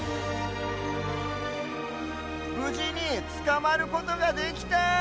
ぶじにつかまることができた。